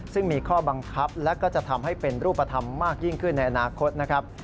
ซึ่งมีข้อบังคับและก็จะทำให้เป็นรูปธรรมมากยิ่งขึ้นในอนาคตนะครับ